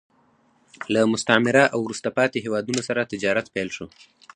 له مستعمره او وروسته پاتې هېوادونو سره تجارت پیل شو